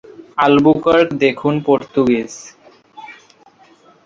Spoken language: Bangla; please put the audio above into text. আলবুকার্ক দেখুন পর্তুগিজ।